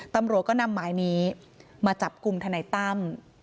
ตำรวจก็นำหมายนี้มาจับกลุ่มทนายตั้ม